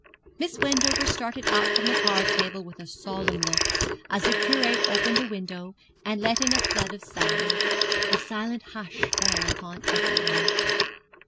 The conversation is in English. Miss Wendover started up from the card table with a solemn look, as the curate opened a window and let in a flood of sound. A silent hush fell upon everyone.